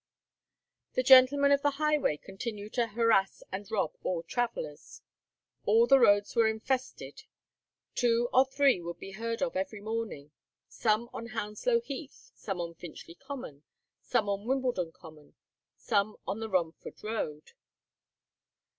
The gentlemen of the highway continued to harass and rob all travellers. All the roads were infested. Two or three would be heard of every morning; some on Hounslow Heath, some on Finchley Common, some on Wimbledon Common, some on the Romford Road.